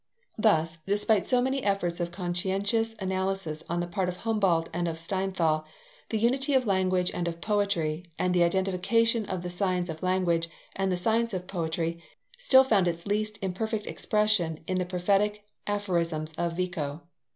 Thus, despite so many efforts of conscientious analysis on the part of Humboldt and of Steinthal, the unity of language and of poetry, and the identification of the science of language and the science of poetry still found its least imperfect expression in the prophetic aphorisms of Vico.